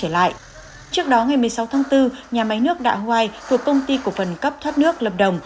trở lại trước đó ngày một mươi sáu tháng bốn nhà máy nước đạ hoai thuộc công ty cổ phần cấp thoát nước lâm đồng